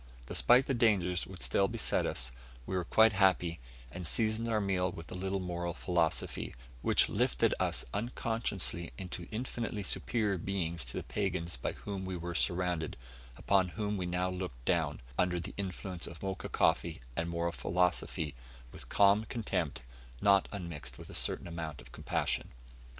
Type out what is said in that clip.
Despite the dangers which still beset us, we were quite happy, and seasoned our meal with a little moral philosophy, which lifted us unconsciously into infinitely superior beings to the pagans by whom we were surrounded upon whom we now looked down, under the influence of Mocha coffee and moral philosophy, with calm contempt, not unmixed with a certain amount of compassion.